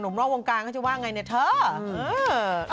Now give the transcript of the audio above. หนุ่มรอบวงกลางเขาจะว่าไงเนี่ยเถอะ